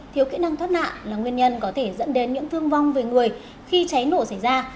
thiếu kỹ năng thoát nạn là nguyên nhân có thể dẫn đến những thương vong về người khi cháy nổ xảy ra